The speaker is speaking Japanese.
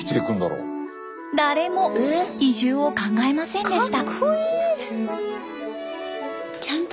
誰も移住を考えませんでした。